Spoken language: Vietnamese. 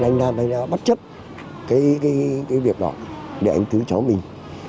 anh nam bắt chấp cái việc đó để anh cứu cháu mình